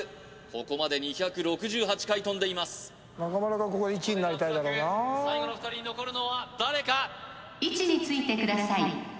ここまで２６８回跳んでいますだろうな最後の２人に残るのは誰か位置についてください